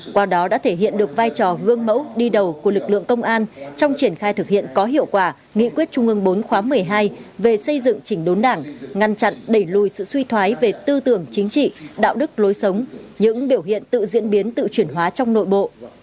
qua đó đã thể hiện được vai trò gương mẫu đi đầu của lực lượng công an trong triển khai thực hiện có hiệu quả nghị quyết trung ương bốn khóa một mươi hai về xây dựng chỉnh đốn đảng ngăn chặn đẩy lùi sự suy thoái về tư tưởng chính trị đạo đức lối sống những biểu hiện tự diễn biến tự chuyển hóa trong nội bộ